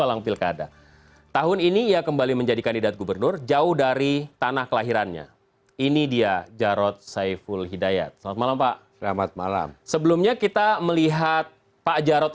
waktu itu saya dipanggil oleh ibu mega